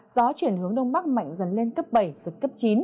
gió chuyển hướng đông bắc mạnh dần lên cấp bảy giật cấp chín